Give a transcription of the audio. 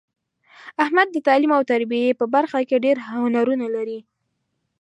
احمد د تعلیم او تربیې په برخه کې ډېر هنرونه لري.